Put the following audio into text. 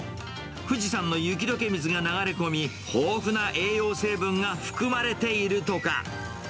富士山の雪どけ水が流れ込み、豊富な栄養成分が含まれているとか。